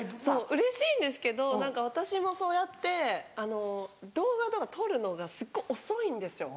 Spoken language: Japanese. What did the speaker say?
うれしいんですけど何か私もそうやって動画とか撮るのがすっごい遅いんですよ。